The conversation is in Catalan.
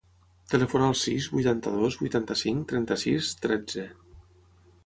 Telefona al sis, vuitanta-dos, vuitanta-cinc, trenta-sis, tretze.